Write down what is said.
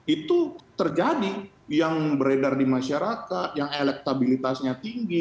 itu terjadi yang beredar di masyarakat yang elektabilitasnya tinggi